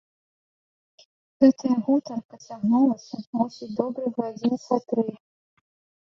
Гэтая гутарка цягнулася, мусіць, добрых гадзін са тры.